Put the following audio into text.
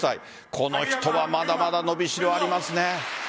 この人はまだまだ伸びしろありますね。